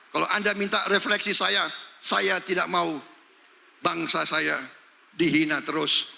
kalau anda minta refleksi saya saya tidak mau bangsa saya dihina terus